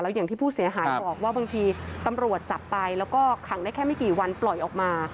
อย่างที่ผู้เสียหายบอกว่าบางทีตำรวจจับไปแล้วก็ขังได้แค่ไม่กี่วันปล่อยออกมา